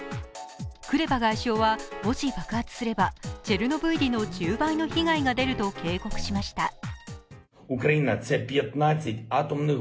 クレバ外相は、もし爆発すればチェルノブイリの１０倍の被害が出ると警告しました。